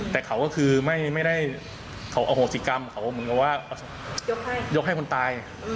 แต่เขาก็คือไม่ได้เขาอโหสิกรรมเขาเหมือนกับว่ายกให้คนตาย